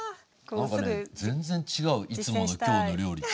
なんかね全然違ういつもの「きょうの料理」と。